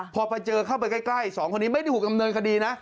พอไปเจอเข้าไปใกล้สองคนนี้ไม่ได้ถูกดำเนินคดีนะ